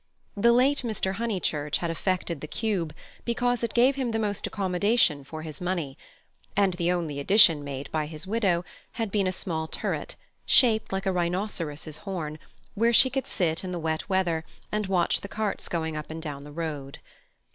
The late Mr. Honeychurch had affected the cube, because it gave him the most accommodation for his money, and the only addition made by his widow had been a small turret, shaped like a rhinoceros' horn, where she could sit in wet weather and watch the carts going up and down the road.